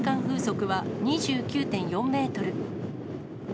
風速は２９．４メートル。